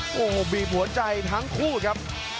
โอ้โหบีบหัวใจทั้งคู่ครับ